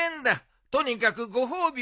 とにかくご褒美はなし。